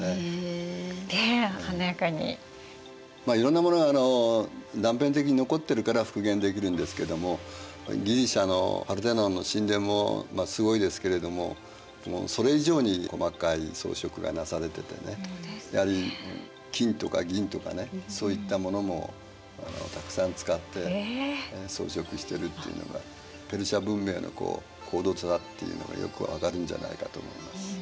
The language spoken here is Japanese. いろんなものが断片的に残ってるから復元できるんですけどもギリシアのパルテノンの神殿もすごいですけれどもそれ以上に細かい装飾がなされててねやはり金とか銀とかねそういったものもたくさん使って装飾してるっていうのがペルシア文明の高度さだっていうのがよく分かるんじゃないかと思います。